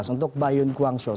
untuk bayun guangzhou